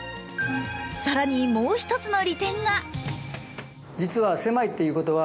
更にもう１つの利点が。